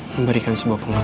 memberikan sebuah pengalaman